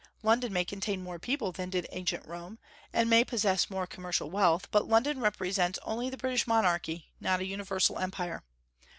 London may contain more people than did ancient Rome, and may possess more commercial wealth; but London represents only the British monarchy, not a universal empire.